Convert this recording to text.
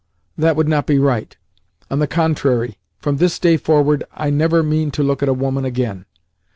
That would not be right! On the contrary, from this day forward I never mean to look at a woman again.